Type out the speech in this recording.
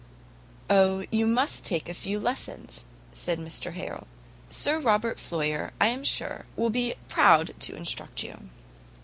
"O, you must take a few lessons," said Mr Harrel, "Sir Robert Floyer, I am sure, will be proud to instruct you."